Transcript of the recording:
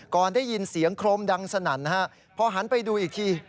ก่อนได้ยินเสียงโครมดังสนั่นนะฮะพอหันไปดูอีกที